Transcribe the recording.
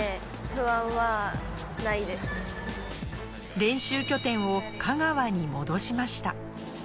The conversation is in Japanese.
練習拠点を香川に戻しました。